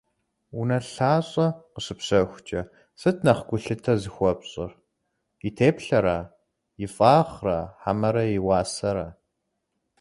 Унэлъащӏэ къыщыпщэхукӏэ сыт нэхъ гулъытэ зыхуэпщӏыр: и теплъэра, и фӏагъра хьэмэрэ и уасэра?